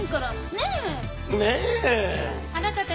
ねえ。